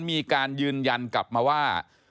มีการยืนยันกลับมาว่า